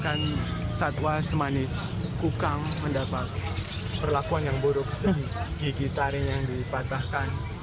ia juga mengubah enam heiten ini menjadi desengan phoenix danwagen